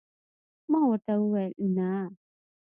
ما ورته وویل: نه.